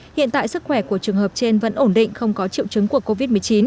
hiện tại sức khỏe của trường hợp trên vẫn ổn định không có triệu chứng của covid một mươi chín